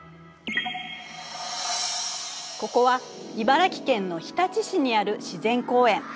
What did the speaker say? ここは茨城県の日立市にある自然公園。